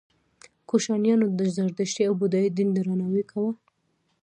کوشانیانو د زردشتي او بودايي دین درناوی کاوه